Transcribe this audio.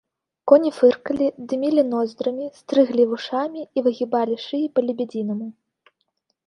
Коні фыркалі, дымілі ноздрамі, стрыглі вушамі і выгібалі шыі па-лебядзінаму.